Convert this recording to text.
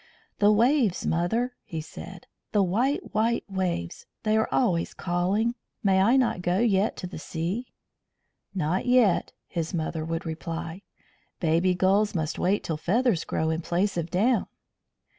"The waves, mother!" he said. "The white, white waves! They are always calling. May I not go yet to the sea?" "Not yet," his mother would reply. "Baby gulls must wait till feathers grow in place of down."